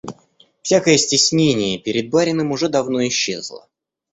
Всякое стеснение перед барином уже давно исчезло.